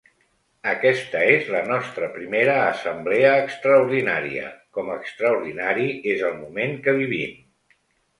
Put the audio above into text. Aquesta és la nostra primera assemblea extraordinària, com extraordinari és el moment que vivim.